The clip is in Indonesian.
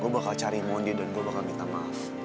gue bakal cari mondi dan gue bakal minta maaf